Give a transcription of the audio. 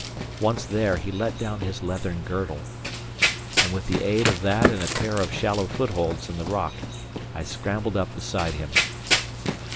Once there, he let down his leathern girdle; and with the aid of that and a pair of shallow footholds in the rock, I scrambled up beside him.